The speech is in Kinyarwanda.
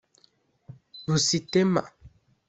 Busitema